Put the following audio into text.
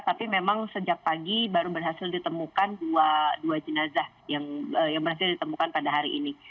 tapi memang sejak pagi baru berhasil ditemukan dua jenazah yang berhasil ditemukan pada hari ini